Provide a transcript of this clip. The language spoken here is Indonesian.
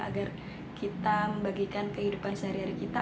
agar kita membagikan kehidupan sehari hari kita